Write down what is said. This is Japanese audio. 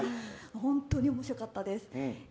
本当に面白かったです。